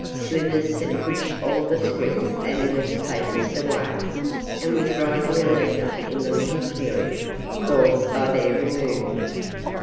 Slivers had pushed all the scrip and loose papers away, and was writing a letter in the little clearing caused by their removal.